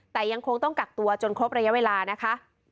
แต่ยังคงต้องกักตัวจนครบระยะเวลานะคะ